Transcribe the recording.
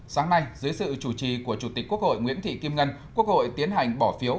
sáng nay dưới sự chủ trì của chủ tịch quốc hội nguyễn thị kim ngân quốc hội tiến hành bỏ phiếu